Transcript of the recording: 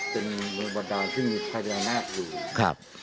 เป็นหลวงบอร์ดาวี่ที่มีไดรนาคอยู่